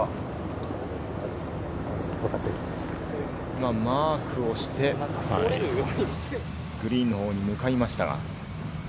今、マークをして、グリーンのほうに向かいましたが。